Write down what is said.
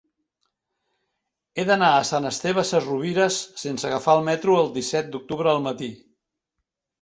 He d'anar a Sant Esteve Sesrovires sense agafar el metro el disset d'octubre al matí.